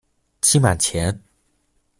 期滿前